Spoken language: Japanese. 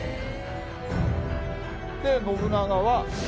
で信長は。